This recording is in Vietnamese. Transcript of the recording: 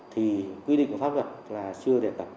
thì quy định của pháp luật là chưa đẹp cả